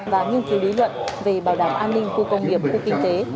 và nghiên cứu lý luận về bảo đảm an ninh khu công nghiệp khu kinh tế